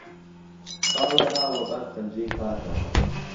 خاڵێ ها وه بان پهنجهی پاتهوه